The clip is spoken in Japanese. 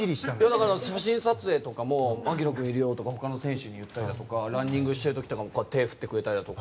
写真撮影とかも槙野君いるよとか他の選手に言ったりとかランニングしている時も手を振ってくれたりとか。